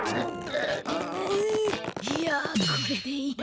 いやこれでいいんだ。